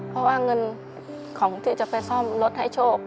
เพราะว่าเงินของที่จะไปซ่อมรถให้โชค